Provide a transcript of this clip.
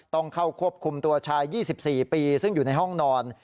ต้องเข้าควบคุมตัวชาย๒๔ปีซึ่งอยู่ในห้องนอน